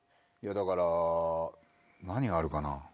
だから何があるかな？